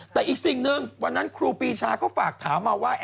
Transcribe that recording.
แต่อีกสิ่งหนึ่งวันนั้นครูปีชาก็ฝากถามมาว่า